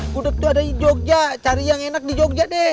gudeg itu ada di jogja cari yang enak di jogja deh